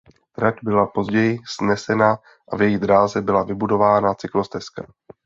Trať byla později snesena a v její dráze byla vybudována cyklostezka.